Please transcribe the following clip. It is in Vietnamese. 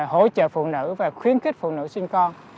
hỗ trợ phụ nữ và khuyến khích phụ nữ sinh con